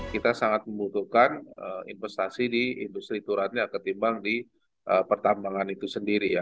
kita sangat membutuhkan investasi di industri turannya ketimbang di pertambangan itu sendiri ya